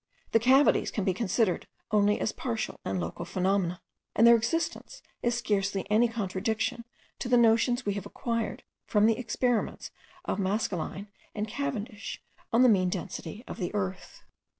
The cavities can be considered only as partial and local phenomena; and their existence is scarcely any contradiction to the notions we have acquired from the experiments of Maskelyne and Cavendish on the mean density of the earth.